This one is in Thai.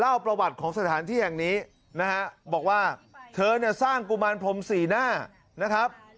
ประวัติของสถานที่แห่งนี้นะฮะบอกว่าเธอเนี่ยสร้างกุมารพรมสี่หน้านะครับ